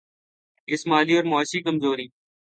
اس مالی اور معاشی کمزوری